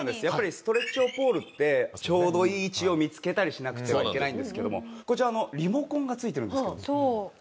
やっぱりストレッチ用ポールってちょうどいい位置を見つけたりしなくてはいけないんですけどこちらリモコンが付いてるんです。